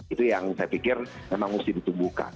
itu yang saya pikir memang mesti ditumbuhkan